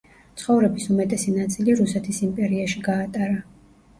ცხოვრების უმეტესი ნაწილი რუსეთის იმპერიაში გაატარა.